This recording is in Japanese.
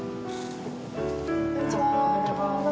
こんにちは。